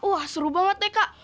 wah seru banget deh kak